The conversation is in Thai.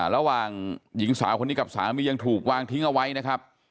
ระหว่างหญิงสาวคนนี้กับสามียังถูกวางทิ้งเอาไว้นะครับ